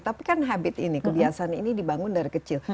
tapi kan habit ini kebiasaan ini dibangun dari kecil